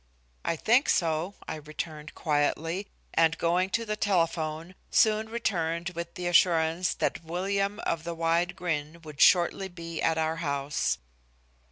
"I think so," I returned quietly, and going to the telephone, soon returned with the assurance that William of the wide grin would shortly be at the house.